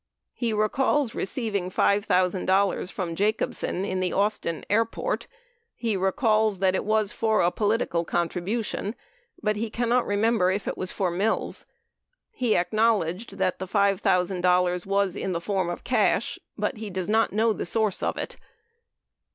He recalls receiving $5,000 from Jacobsen in the Austin Airport; he recalls that it was for a political contribution ; but he cannot remember if it was for Mills. He acknowledged that the $5,000 was in the form of cash, but he does not know the source of it.